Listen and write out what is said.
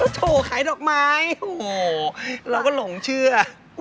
ถูกขายดอกไม้โอ้โหเราก็หลงเชื่อ